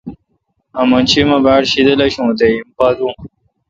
آمن شی اوما باڑ شیدل آشوں تے ہیم پا دوں